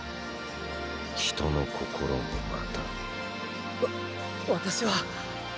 人の心もまたーーわ私は。